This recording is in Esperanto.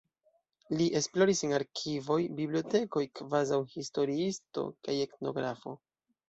Li esploris en arkivoj, bibliotekoj kvazaŭ historiisto kaj etnografo.